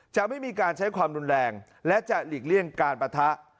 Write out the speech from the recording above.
จะไม่มีการใช้ความรุนแรงและจะหลีกเลี่ยงการปะทะ